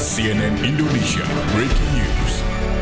cnn indonesia breaking news